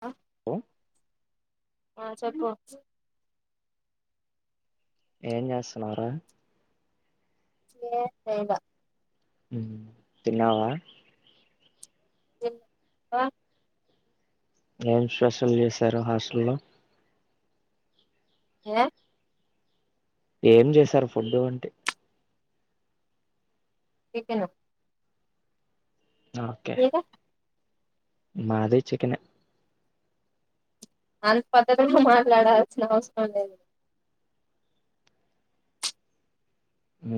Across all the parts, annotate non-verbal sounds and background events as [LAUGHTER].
ఆ ఉ ఆ చెప్పు ఏం చేస్తున్నావు రా ఏం చేయలా తిన్నావా ఏం స్పెషల్ చేసారు హాస్టల్లో ఏ ఏం చేసారు ఫుడ్డు అంటి చికెను ఓకే మాది చికెనే అంత పద్ధతిగా మాట్లాడాల్సిన అవసరం లేదు అ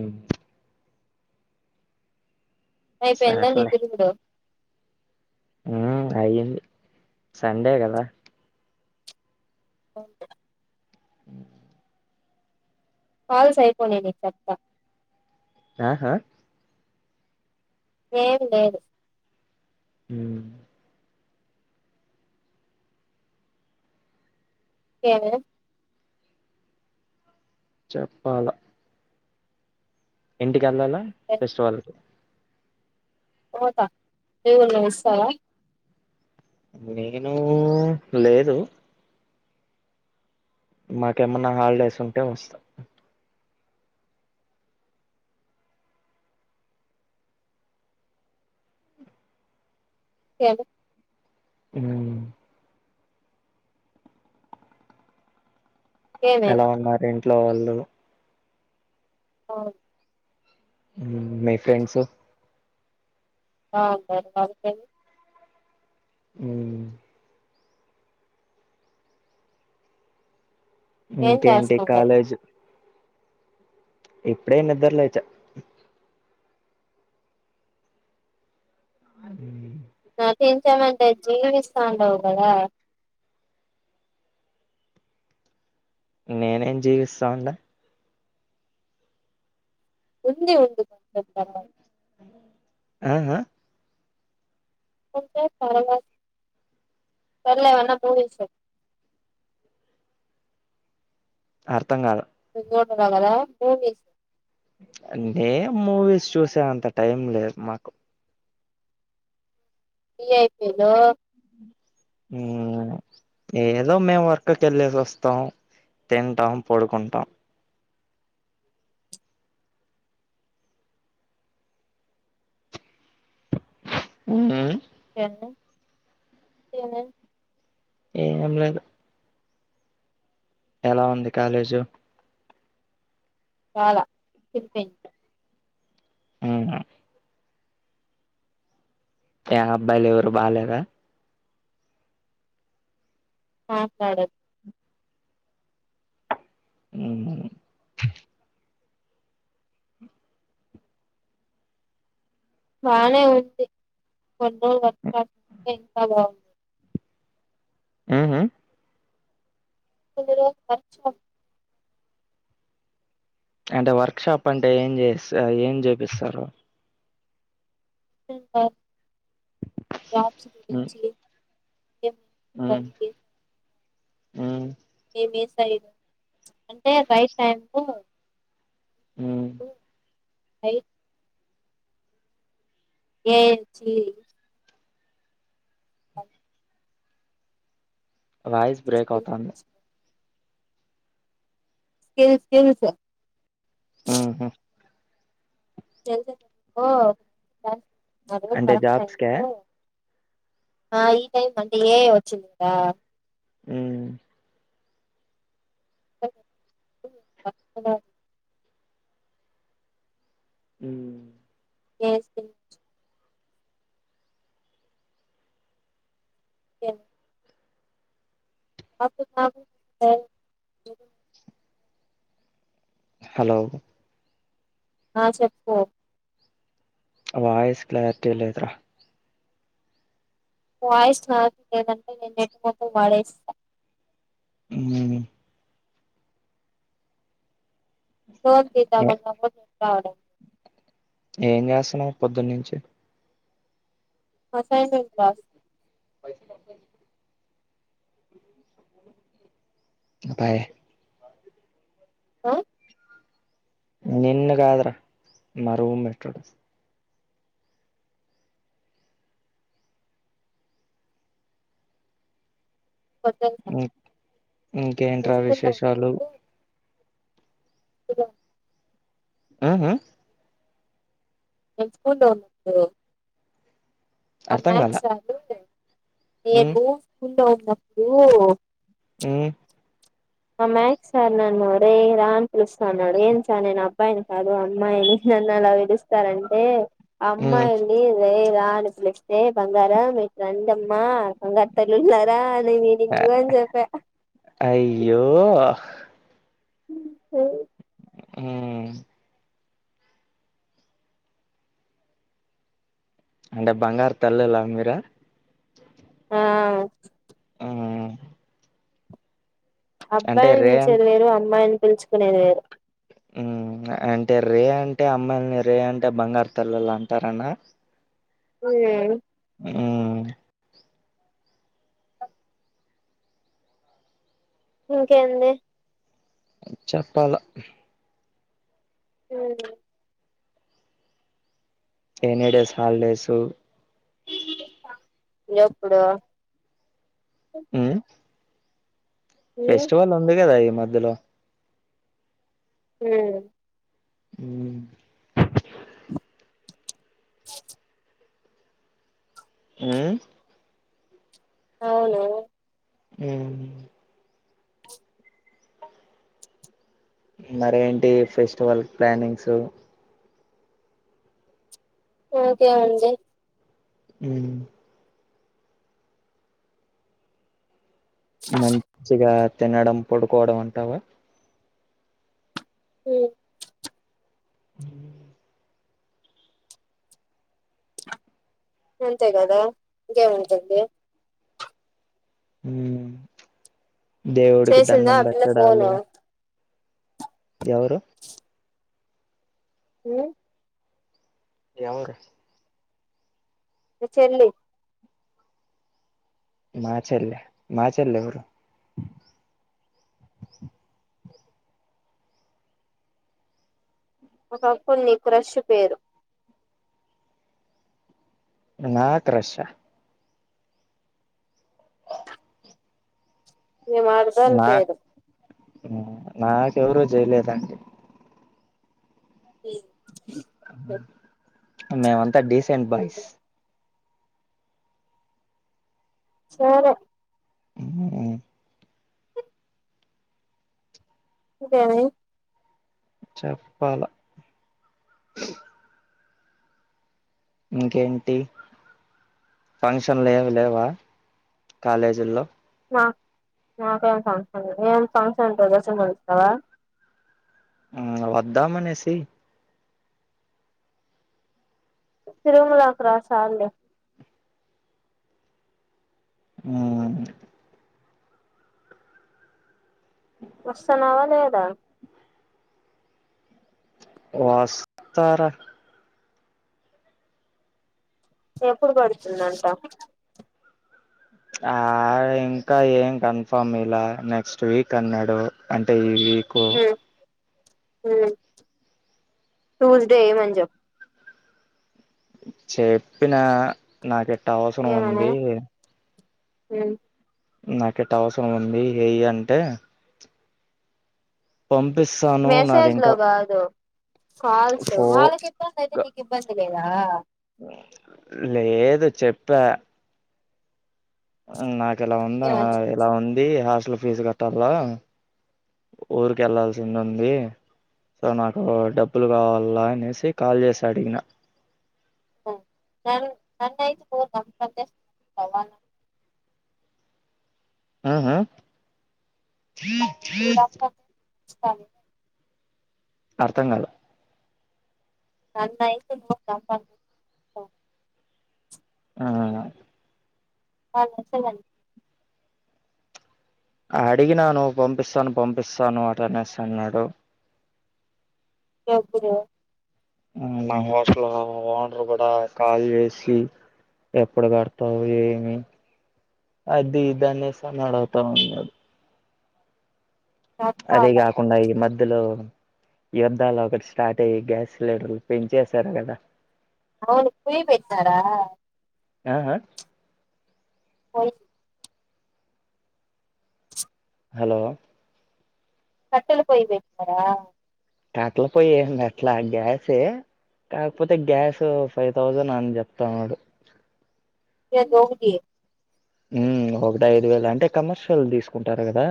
రేపు ఏందో నీ తిరుగుడు హ అయ్యంది సండే కదా ప ఉ కాల్స్ అయిపోనే నీ చెప్తా ఆహా లేదు లేదు హ ఏ చెప్పాల ఎంటి గల్లాల ఫెస్టివల్ పోత ఏమన్నా ఇస్తా నేను లేదు మాకేమన్నా హాలిడేస్ ఉంటే వస్తా ఏను అ ఇంకేమేమి ఎలా ఉన్నారండి ఇంట్లో వాళ్ళు అవును మీ ఫ్రెండ్స్ ఆ సర అ అ ఏం ఇంకేంటి చేస్తాండావు కాలేజ్ ఇప్పుడే నిద్ర లేచా అ మంట జీవిస్తండగాదా నేనేం జీవిస్తామంద ఉంది ఉ త ఆ ఆ సర్లే ఏమన్నా మూవీస్ చెప్పు అర్థం కాలా నిద్రపోతున్నావ్ కదా ఫోన్ చేసి నేం మూవీస్ చూసే అంత టైం లేదు మాకు బిజీ అయిపోయారు ఏదో మేము వర్క్కి వెళ్ళేసి వస్తాం తింటాం పడుకుంటాం ఉ టన్న తన్న ఏం లేదు ఎలా ఉంది కాలేజు చాలా ఇప్ప ఆ ఎ అబ్బాయిలు ఎవరు బాలేరా మాట్లాడకు ఉ బానే ఉంది కొన్నిజు వచ్చే ఇంకా బాగుంది ఆ హా గురుజ అచ్చ అంటే వర్క్ షాప్ అంటే ఏం చేస్త ఏం చేపిస్తారు స ర్యాప్స్ మ్ గురించి [UNINTELLIGIBLE] మీ మ్ పన్ జేస మ్ తినేస ఇగ అంటే రైట్ టైం కు మ్ టు హైర్ ఏ జీ ఓ వాయిస్ బ్రేక్ స్కిల్ అవుతంది స్కిల్ స్కిల్స్ ఉ హు [UNINTELLIGIBLE] అంటే కరెక్ట్ టైం జాబ్స్క లో ఆ ఈ టైం అంటే ఏ ఐ వచ్చింది గదా ఉ [UNINTELLIGIBLE] హు ఏ [UNINTELLIGIBLE] ఏం అప్పు బాగు [UNINTELLIGIBLE] హలో ఆ చెప్పుకో వయిస్ క్లారిటీ లేదుర వాయిస్ క్లారిటీ లేదంటే నేను నెట్టు మొత్తం వాడేసేసా అ ఫోన్ ఏ చేద్దామన్న అవ్వదు [UNINTELLIGIBLE] ఏం చేస్తున్నావ్ పొద్దున్నుంచి అసైన్మెంట్ రాస్ పైస [UNINTELLIGIBLE] ఉంటాయి ఆ నిన్ను కాద్రా మా రూమ్మేటోడు వద్దంటా ఇ ఇంకేంట్రా స్కూల్లో విశేషాలు ఇదా ఆ హ మేం స్కూల్లో ఉన్నప్పుడు మా అర్థం కాల మాక్స్ [UNINTELLIGIBLE] మ్మ్ ఏను ఫ్ [UNINTELLIGIBLE] నువ్వు అప్పుడు ఆ మా మ్యాక్స్ సార్ నన్ను వరే రా నీ పిలుస్తాన్నాడు. ఏం సార్ నేను అ అబ్బాయిని కాదు అమ్మాయిని నన్ను అలా విలుస్తారంటే మ్మ్ అమ్మాయి లే రేయ్ రా అని పిలిస్తే బంగార మీరు ఇట్రం డమ్మా బంగారు తల్లులార [INAUDIBLE] అ ఓ స ఉమ్ అంటే బంగారు తల్లలా మీరా ఆ ఉమ్ అబ్బాయిని అన్ పిలిచేది వేరు అమ్మాల్ని పిలుచుకునేది వేరు అంటే రే అంటే అమ్మాయిలని రే అంటే బంగారు తల్లలు అంటారన్న ఆ ఉమ్ ఇంకేంది చెప్పాల హ్మ్ ఎన్నిడేస్ హాలిడేసు ఎప్పుడ అ మ్మ్ ఫెస్టివల్ ఉందిగదా మధలో హ్మ్ అ ఉమ్ అవును హ్మ్ మరేంటి ఫెస్టివల్ ప్లానింగ్స్ ఓకే అండి హ్మ్ మంచిగా తినడం పడుకోవడం అంటావా హ్మ్ హ అంతే కదా ఇంకేం ఉంటుంది హ్మ్ దేవుడికి చేసిందా దండం ఆ పిల్ల ఫోను పెట్టడాలు ఎవరు ఏ ఎవరు మీ చెల్లి మా చెలే మా చెలే ఎవరు ఒక కొన్ని క్రాష్ పేరు నా క్రాష్ ఆ నీ మరదలు పేరు నాకు ఎవరు చేయలేదు అండి ప్లీజ్ అ మేమంతా డీసెంట్ బాయ్స్ సరే ఆమ్ [UNINTELLIGIBLE] చెప్పాలా ఇంకేంటి ఫంక్షన్ ఏమి లేవా కాలేజీల్లో నాకు నాకేం ఫంక్షన్ ఏం ఫంక్షన్ ఉంటే డ్రసెలు కొనిస్తావా ఆ వద్దామనేసి తిరుమల కి రా చాలే ఆ వస్తనావా లేదా వస్తారా ఎప్పుడు పెడుతుందంట ఆ ఇంకా ఏం కన్ఫామ్ ఇలా నెక్స్ట్ వీక్ అన్నాడు అంటే ఈ వీక్ కు ఉమ్ ట్యూస్డే ఎయిమని చెప్పు చెప్పినా నాకు అటా అవసరం ఉంది హమ్ నాక యిటా అవసరం ఉంది ఏయి అంటే పంపిస్తాను నాది మెసేజ్ లో ఇంకా కాదు కాల్స్ ఫో వాళ్ళకి ఇబ్బంది అయితే నీకు ఇబ్బంది లేదా లేదు చెప్యా నా ఎలా ఉందా ఏమని ఎలా ఉంది హ హాస్టల్ ఫీజు కట్టాలా ఊరికి వెళ్ళాల్సింది ఉంది సో నాకు డబ్బులు కావాలా అనేసి కాల్ చేసి అడిగినా ఆ న నన్ను అయితే పోను చేసి చంపేస్తావ్ మరి వాడ్ని ఆహా చెం చెం చాల్ యిగా అర్థం కాలా నన్ను అయితే మ [UNINTELLIGIBLE] ఆ అవు ఏగష్టాలు బన్ చేయి అడిగినాను. పంపిస్తాను. పంపిస్తాను. అటనేసి అన్నాడు. ఎప్పుడు మా హోటల్ ఓనర్ కూడా కాల్ చేసి ఎప్పుడు కడతావు. ఏమి అది ఇదనేసి అడుగుతాన్నాడు. అది చెప్పాలా కాకుండా యిమద్ ఇందులో యుద్ధాలు ఒకటి స్టార్ట్ అయ్యి గ్యాస్ సిలిండర్లు పెంచేసారు కదా. అవును కుయ్యి పెట్టారా ఆ అ ఓయి హలో కట్టెల పొయ్యి పెట్నార కట్టల పొయ్యేమ్ పెట్లా గ్యాసే. కాకపోతే గ్యాస్ ఫైవ్ థౌజండ్ అని చెప్తానాడు. దే దోకటి ఉమ్ ఒకటి ఐదు వేల అంటే కమర్షియల్ తీసుకుంటారు కదా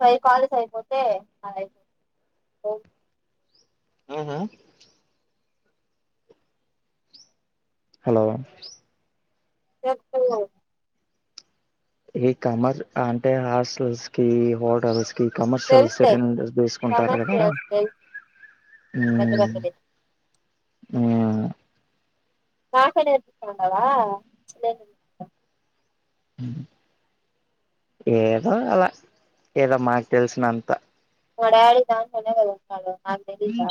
పై కాల్స్ అయిపోతే నాద్ అయిపో ఓ ఆహా హలో చెప్పు ఈ కమర్ అంటే హాస్టల్స్ కి హోటల్స్ కమర్షియల్ తెలుసులే సిరన్ వేసుకుంటారు కదా సమస్య పెద్ద పెద్దవి ఊమ్ ఆ నాకే నేర్పిస్తాండవా ఏదో అలా ఏదో మాకు తెలిసినంత మా డాడీ దాంట్లోనే గదా ఉన్నాడు అ తెలీదా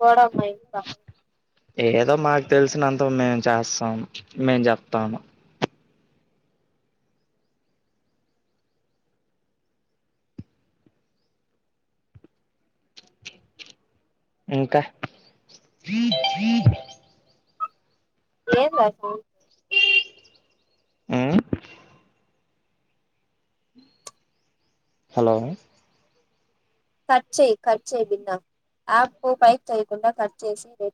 కోడమ్మా ఇస్ ఏదో మాకు తెలిసినంత మేము చేస్తాం. మేం చెప్తాము. ఇంకా ఏం రాసావు మ్మ్ హలో కట్ చేయి కట్ చేయి బిన్న యాప్ పైక్ చేయకుండా కట్ చేసి రె